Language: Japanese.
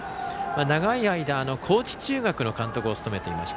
長い間、高知中学の監督を務めていました。